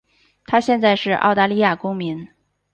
她现在是澳大利亚公民。